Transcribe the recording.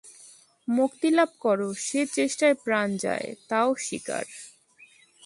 মুক্তিলাভ কর, সে চেষ্টায় প্রাণ যায়, তাও স্বীকার।